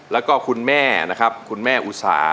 แล้วก็คุณแม่นะครับคุณแม่อุสา